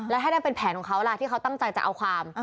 แล้วถ้านั่นเป็นแผนของเขาล่ะที่เขาตั้งใจจะเอาความ